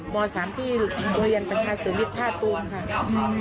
ม๓ที่โรยียนปัญชาเสริมวิทย์ท่าตูมค่ะ